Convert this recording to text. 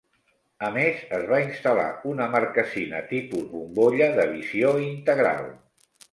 A més, es va instal·lar una marquesina tipus bombolla de visió integral.